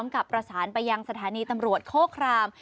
กับประสานไปยังสถานีตำรวจโคคราม